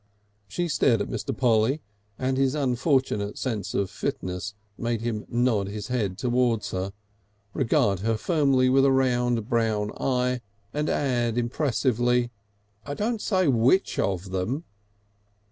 She stared at Mr. Polly, and his unfortunate sense of fitness made him nod his head towards her, regard her firmly with a round brown eye, and add impressively: "I don't say which of them."